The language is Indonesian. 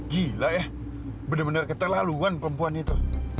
gila ya bener bener keterlaluan perempuan itu